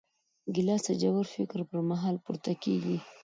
ګیلاس د ژور فکر پر مهال پورته کېږي.